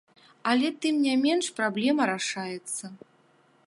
Але тым не менш праблема рашаецца.